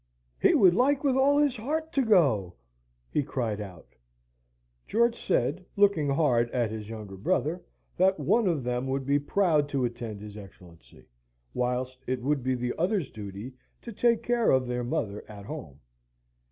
"He would like with all his heart to go!" he cried out. George said, looking hard at his younger brother, that one of them would be proud to attend his Excellency, whilst it would be the other's duty to take care of their mother at home.